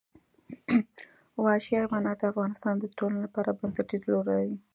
وحشي حیوانات د افغانستان د ټولنې لپاره بنسټيز رول لري.